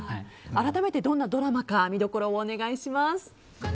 改めてどんなドラマか見どころをお願いします。